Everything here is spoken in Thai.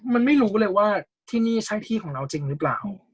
มันไม่รู้เลยว่าที่นี่ใช่ที่ของเราจริงหรือเปล่า